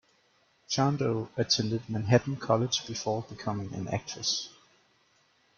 Chando attended Manhattan College before becoming an actress.